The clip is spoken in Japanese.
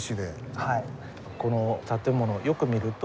はい。